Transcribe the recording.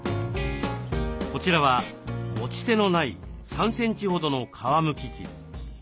こちらは持ち手のない３センチほどの皮むき器。